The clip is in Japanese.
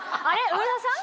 上田さん？